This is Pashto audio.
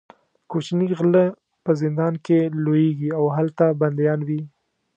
کوچني غله په زندان کې لویېږي او هلته بندیان وي.